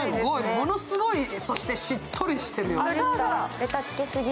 ものすごいしっとりしてるよ。